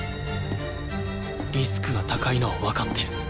リスクが高いのはわかってる。